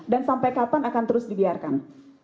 sampai kapan akan terus dibiarkan